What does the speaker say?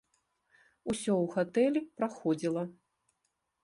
Усё ў гатэлі праходзіла.